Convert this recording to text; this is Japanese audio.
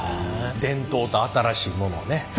伝統と新しいものをね